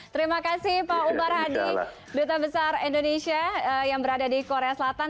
terima kasih pak umar hadi duta besar indonesia yang berada di korea selatan